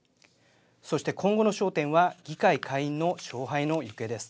そして今後の焦点は議会下院の勝敗の行方です。